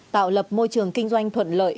tạo lập môi trường kinh doanh thuận lợi